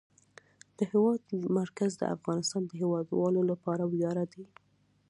د هېواد مرکز د افغانستان د هیوادوالو لپاره ویاړ دی.